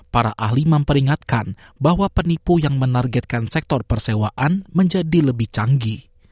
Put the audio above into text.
para ahli memperingatkan bahwa penipu yang menargetkan sektor persewaan menjadi lebih canggih